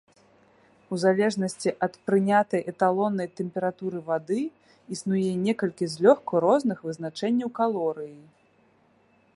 У залежнасці ад прынятай эталоннай тэмпературы вады, існуе некалькі злёгку розных вызначэнняў калорыі.